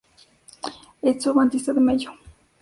Edson Batista de Mello.